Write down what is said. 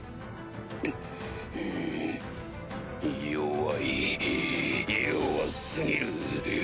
弱い弱過ぎる。